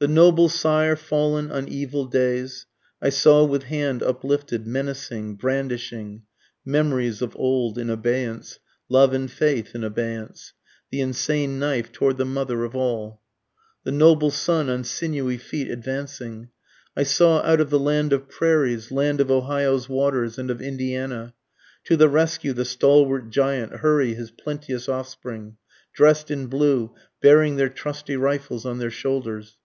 The noble sire fallen on evil days, I saw with hand uplifted, menacing, brandishing, (Memories of old in abeyance, love and faith in abeyance,) The insane knife toward the Mother of All. The noble son on sinewy feet advancing, I saw, out of the land of prairies, land of Ohio's waters and of Indiana, To the rescue the stalwart giant hurry his plenteous offspring, Drest in blue, bearing their trusty rifles on their shoulders.